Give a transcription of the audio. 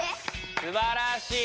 すばらしい！